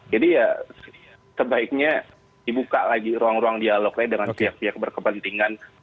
jadi ya sebaiknya dibuka lagi ruang ruang dialognya dengan pihak pihak berkepentingan